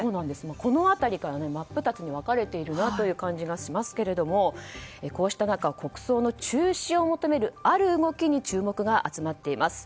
この辺りから、真っ二つに分かれているなという感じがしますけれどもこうした中、国葬の中止を求めるある動きに注目が集まっています。